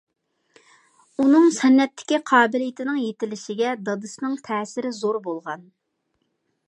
ئۇنىڭ سەنئەتتىكى قابىلىيىتىنىڭ يېتىلىشىگە دادىسىنىڭ تەسىرى زور بولغان.